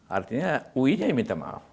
artinya ui nya minta maaf